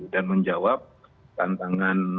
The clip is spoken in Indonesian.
dan menjawab tantangan